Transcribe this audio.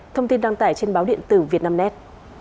thông tin đăng tải trên báo điện tử việt nam nét